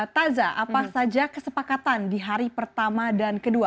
taza apa saja kesepakatan di hari pertama dan kedua